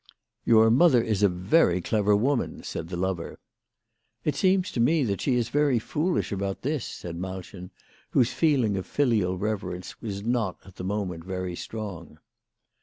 " Your mother is a very clever woman," said the lover. " It seems to me that she is very foolish about this/' said Malchen, whose feeling of filial reverence was not at the moment very strong.